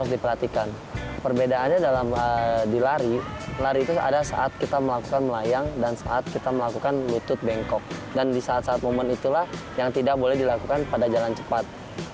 dan di saat saat momen itulah yang tidak boleh dilakukan pada jalan cepat